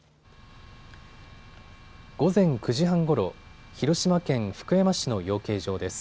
午前９時半ごろ、広島県福山市の養鶏場です。